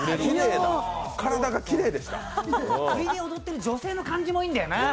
右で踊ってる女性の感じもいいんだよな。